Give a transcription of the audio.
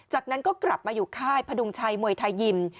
จากนั้นก็กลับมาอยู่ค่ายพดุงชัยมวยไทยยิม